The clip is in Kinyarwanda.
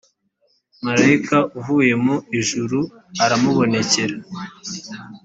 marayika uvuye mu ijuru aramubonekera